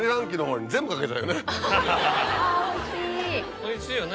おいしいよね。